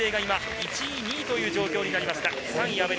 スペイン勢が１位、２位という状況になりました。